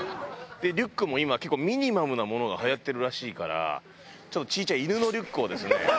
リュックも今結構ミニマムなものがはやってるらしいからちょっとちっちゃい犬のリュックをですね。